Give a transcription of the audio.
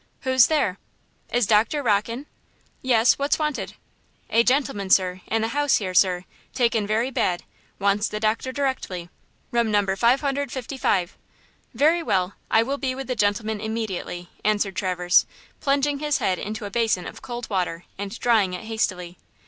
"Who's there?" "Is Doctor Rocke in?" "Yes, what's wanted?" "A gentleman, sir, in the house here, sir, taken very bad, wants the doctor directly, room number 555." "Very well, I will be with the gentleman immediately," answered Traverse, plunging his head into a basin of cold water and drying it hastily.